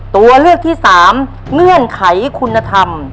ตัวเลือกที่สามเงื่อนไขคุณธรรม